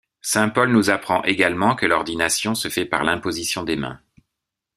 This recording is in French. Saint Paul nous apprend également que l'ordination se fait par l'imposition des mains.